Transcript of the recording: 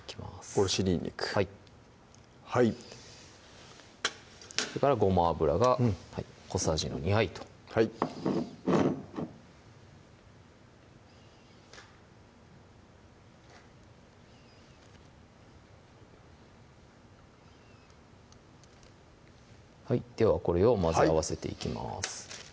おろしにんにくはいそれからごま油が小さじの２杯とはいではこれを混ぜ合わせていきます